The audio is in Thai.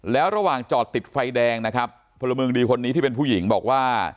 แล้วระหว่างจอดติดไฟแดงนะครับพลเมืองดีคนนี้ที่เป็นผู้หญิงบอกว่า